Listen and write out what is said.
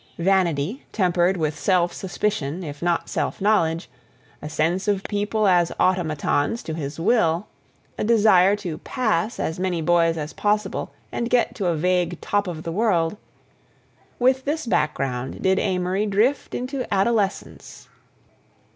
Vanity, tempered with self suspicion if not self knowledge, a sense of people as automatons to his will, a desire to "pass" as many boys as possible and get to a vague top of the world... with this background did Amory drift into adolescence.